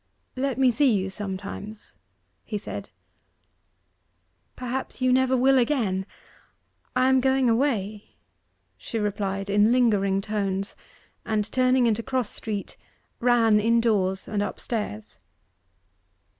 'Let me see you sometimes,' he said. 'Perhaps you never will again I am going away,' she replied in lingering tones; and turning into Cross Street, ran indoors and upstairs.